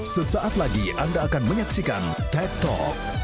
sesaat lagi anda akan menyaksikan tech talk